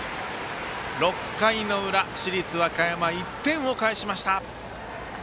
６回の裏、市立和歌山１点を返しました。